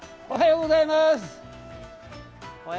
おはようございます。